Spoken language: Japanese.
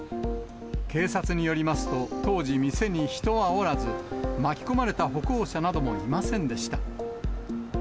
警察によりますと、当時、店に人はおらず、巻き込まれた歩行者などもいませんでした。